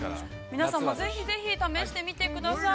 ◆皆さんも、ぜひぜひ試してみてください。